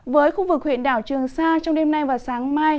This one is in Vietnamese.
với khu vực huyện đảo trường sa trong đêm nay và sáng mai